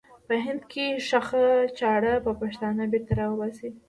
په هند کې ښخه چاړه به پښتانه بېرته را وباسي.